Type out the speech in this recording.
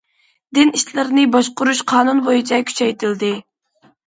دىن ئىشلىرىنى باشقۇرۇش قانۇن بويىچە كۈچەيتىلدى.